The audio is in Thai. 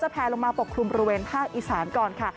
แพลลงมาปกคลุมบริเวณภาคอีสานก่อนค่ะ